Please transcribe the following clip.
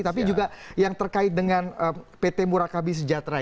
tapi juga yang terkait dengan pt murakabi sejahtera